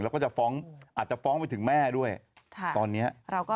อาจจะฟ้องไปถึงแม่ด้วย